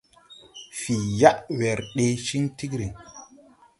Fǐi yaʼ wɛr ɗee ciŋ tigriŋ.